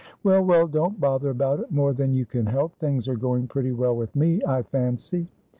"Well, well, don't bother about it, more than you can help. Things are going pretty well with me, I fancy."